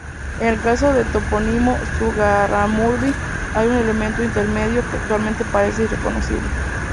En el caso del topónimo Zugarramurdi hay un elemento intermedio que actualmente parece irreconocible.